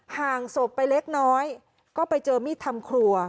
ห่างศพไปเล็กน้อยก็ไปเจอมีดทำครัว